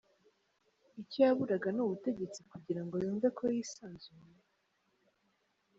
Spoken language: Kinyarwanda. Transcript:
Icyo yaburaga ni ubutegetsi kugira ngo yumve ko yisanzuye?